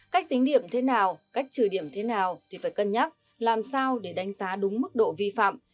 cách tính điểm thế nào cách trừ điểm thế nào thì phải cân nhắc làm sao để đánh giá đúng mức độ vi phạm